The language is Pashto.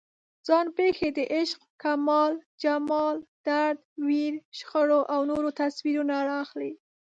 ځان پېښې د عشق، کمال، جمال، درد، ویر، شخړو او نورو تصویرونه راخلي.